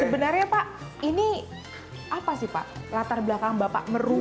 sebenarnya pak ini apa sih pak latar belakang bapak merubah